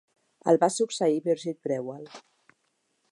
El va succeir Birgit Breuel.